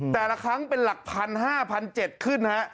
แต่ละครั้งเป็นหลักพันห้าพันเจ็ดขึ้นนะฮะ